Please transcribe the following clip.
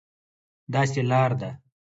داسې لار ده،